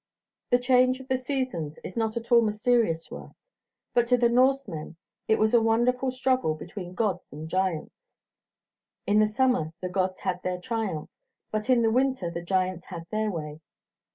The change of the seasons is not at all mysterious to us; but to the Norsemen it was a wonderful struggle between gods and giants. In the summer the gods had their triumph, but in the winter the giants had their way.